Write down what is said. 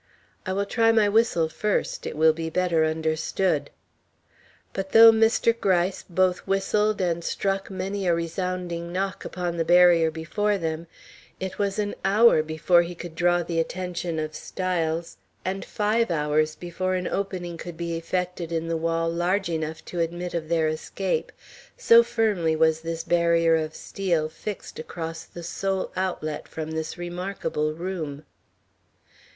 "I will try my whistle first; it will be better understood." But though Mr. Gryce both whistled and struck many a resounding knock upon the barrier before them, it was an hour before he could draw the attention of Styles, and five hours before an opening could be effected in the wall large enough to admit of their escape, so firmly was this barrier of steel fixed across the sole outlet from this remarkable room.